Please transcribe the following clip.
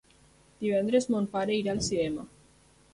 Divendres mon pare irà al cinema.